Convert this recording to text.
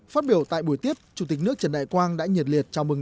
phát biểu tại buổi tiếp chủ tịch nước trần đại quang đã nhật liệt chào mừng các bạn